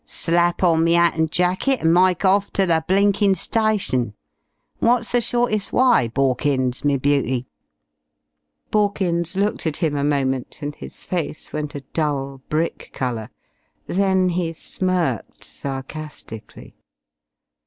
Slap on me 'at and jacket and myke off ter the blinkin' stytion. What's the shortest w'y, Borkins, me beauty?" Borkins looked at him a moment, and his face went a dull brick colour. Then he smirked sarcastically.